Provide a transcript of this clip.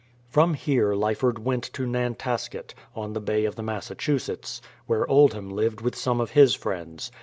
From here Lyford went to Nantasket, on the Bay of the Massachusetts, where Oldham lived with some of his friends.